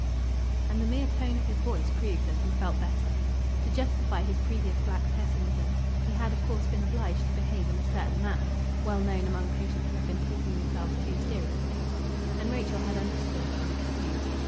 And the mere tone of his voice proved that he felt better. To justify his previous black pessimism he had of course been obliged to behave in a certain manner (well known among patients who have been taking themselves too seriously), and Rachel had understood and excused.